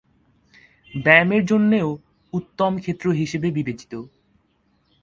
ব্যায়ামের জন্যেও উত্তম ক্ষেত্র হিসেবে বিবেচিত।